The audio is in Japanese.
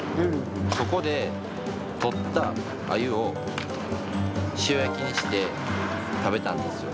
そこで取ったアユを、塩焼きにして食べたんですよ。